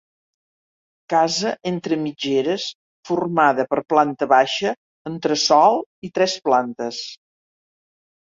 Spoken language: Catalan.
Casa entre mitgeres formada per planta baixa, entresòl i tres plantes.